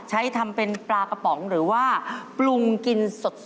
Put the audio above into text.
ใช้ทำเป็นปลากระป๋องหรือว่าปรุงกินสด